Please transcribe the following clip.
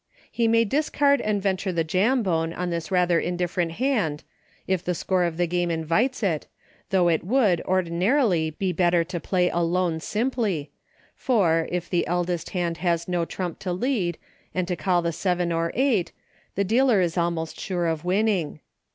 He may discard and venture the Jambone on this rather indifferent hand — if the score of the game invites it, though it would, ordinarily, be better to Play Alone, simply,— for, if the eldest hand has no trump to lead and to call the seven or eight, the dealer is almost sure of winning.